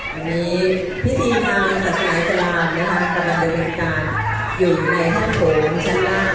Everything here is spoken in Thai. ตอนนี้พิธีทางสัตว์สายกราบนะครับกำลังเดินการอยู่ในห้างโหมช้างล่าง